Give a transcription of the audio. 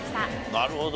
なるほど。